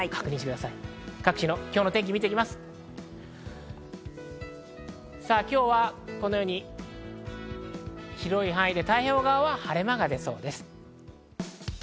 さぁ今日はこのように広い範囲で太平洋側は晴れ間が出そうです。